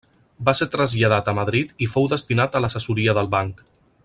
Va ser traslladat a Madrid i fou destinat a l'assessoria del banc.